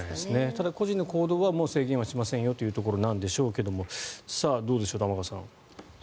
ただ、個人の行動はもう制限はしませんよということなんでしょうけどどうでしょう、玉川さん。